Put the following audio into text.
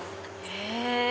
へぇ！